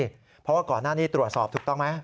เพราะว่าก่อนหน้านี้ตรวจสอบถูกต้องไหม